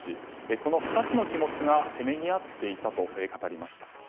この２つの気持ちがせめぎ合っていたと語りました。